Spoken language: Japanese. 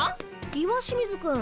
石清水くん。